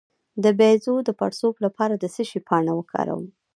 د بیضو د پړسوب لپاره د څه شي پاڼه وکاروم؟